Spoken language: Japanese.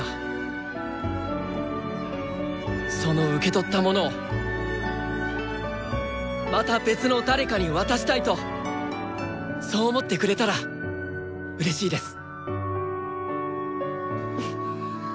その受け取ったものをまた別の誰かに渡したいとそう思ってくれたらうれしいです。